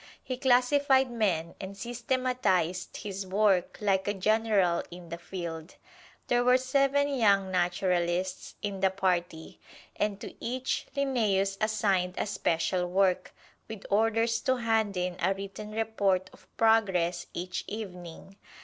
He classified men, and systematized his work like a general in the field. There were seven young naturalists in the party, and to each Linnæus assigned a special work, with orders to hand in a written report of progress each evening.